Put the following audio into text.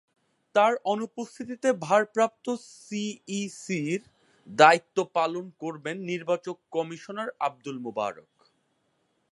তাঁর অনুপস্থিতিতে ভারপ্রাপ্ত সিইসির দায়িত্ব পালন করবেন নির্বাচন কমিশনার আবদুল মোবারক।